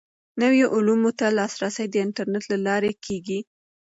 نویو علومو ته لاسرسی د انټرنیټ له لارې کیږي.